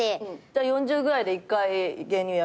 ４０ぐらいで１回芸人をやめるの？